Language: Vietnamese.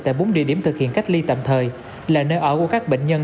tại bốn địa điểm thực hiện cách ly tạm thời là nơi ở của các bệnh nhân